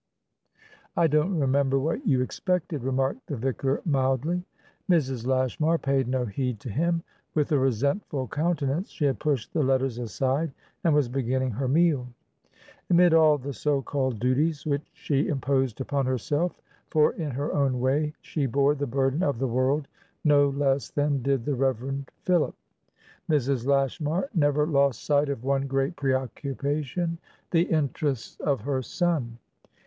"I don't remember what you expected," remarked the vicar, mildly. Mrs. Lashmar paid no heed to him. With a resentful countenance, she had pushed the letters aside, and was beginning her meal. Amid all the so called duties which she imposed upon herselffor, in her own way, she bore the burden of the world no less than did the Rev. PhilipMrs. Lashmar never lost sight of one great preoccupation, the interests of her son.